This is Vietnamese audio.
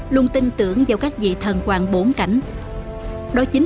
luôn tin tưởng vào các vị thần quạng bổn cảnh